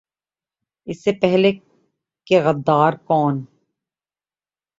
اس سے پہلے کہ "غدار کون؟